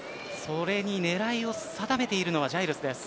それに狙いを定めているのはジャイルスです。